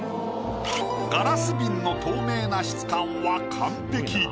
ガラス瓶の透明な質感は完璧。